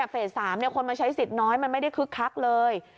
เฟส๓คนมาใช้สิทธิ์น้อยมันไม่ได้คึกคักเลย